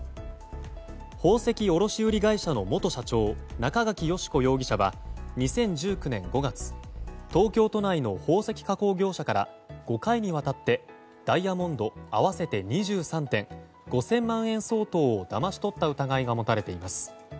宝石卸売会社の元社長中垣佳子容疑者は２０１９年５月、東京都内の宝石加工業者から５回にわたってダイヤモンド合わせて２３点５０００万円相当をだまし取った疑いが持たれています。